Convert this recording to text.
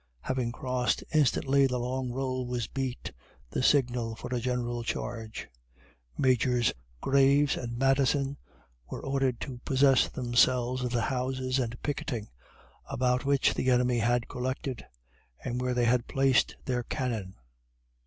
Having crossed, instantly the long roll was beat (the signal for a general charge.) Majors Graves and Madison were ordered to possess themselves of the houses and picketing, about which the enemy had collected, and where they had placed their cannon.